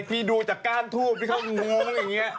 พี่ดูแต่ก้านทูบปี่เขาโมงอย่างนี้